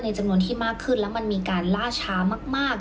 จำนวนที่มากขึ้นแล้วมันมีการล่าช้ามาก